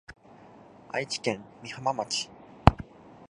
愛知県美浜町